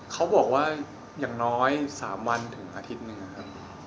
เค้าบอกว่าอย่างน้อย๓วันถึง๑อาทิตย์เหนือครับ